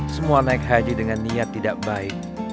semua naik haji dengan niat tidak baik